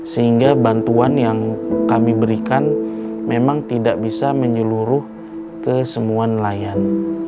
sehingga bantuan yang kami berikan memang tidak bisa menyeluruh ke semua nelayan